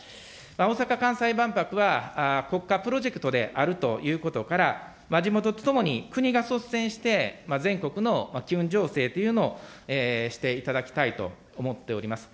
大阪・関西万博は国家プロジェクトであるということから、地元と共に、国が率先して全国の機運醸成というのをしていただきたいと思っております。